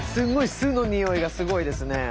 酢のにおいがすごいですね。